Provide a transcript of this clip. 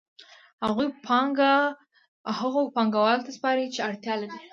هغوی پانګه هغو پانګوالو ته سپاري چې اړتیا لري